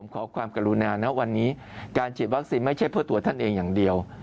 ขอความกรุณานะวันนี้การฉีดวัคซีนไม่ใช่เพื่อตัวท่านเองอย่างเดียว